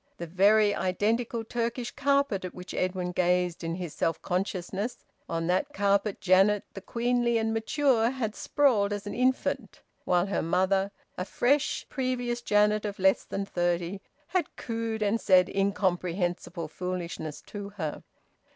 The very identical Turkey carpet at which Edwin gazed in his self consciousness on that carpet Janet the queenly and mature had sprawled as an infant while her mother, a fresh previous Janet of less than thirty, had cooed and said incomprehensible foolishness to her.